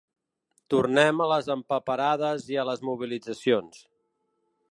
Tornem a les empaperades i a les mobilitzacions.